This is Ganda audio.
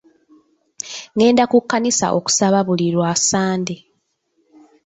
Ngenda ku kkanisa okusaba buli lwasande